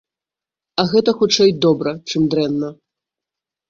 А гэта хутчэй добра, чым дрэнна.